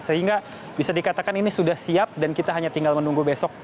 sehingga bisa dikatakan ini sudah siap dan kita hanya tinggal menunggu besok